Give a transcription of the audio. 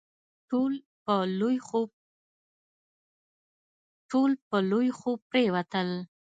ټول په لوی خوب پرېوتل.